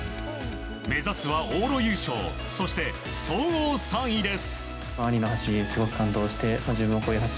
目指すは往路優勝そして総合３位です。